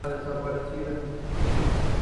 Mientras, en el hospital buscan a la desaparecida.